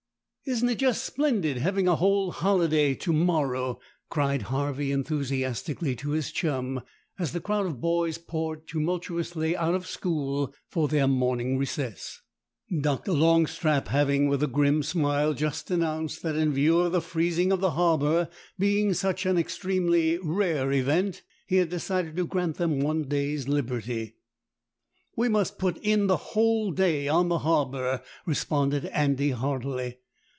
"Isn't it just splendid having a whole holiday to morrow?" cried Harvey, enthusiastically, to his chum, as the crowd of boys poured tumultuously out of school for their morning recess, Dr. Longstrap having, with a grim smile, just announced that in view of the freezing of the harbour being such an extremely rare event, he had decided to grant them one day's liberty. "We must put in the whole day on the harbour," responded Andy heartily.